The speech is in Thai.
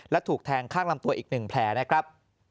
และถูกแทงข้างลำตัวอีก๑แผลนะครับ